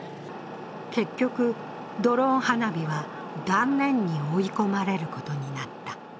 結局、ドローン花火は断念に追い込まれることになった。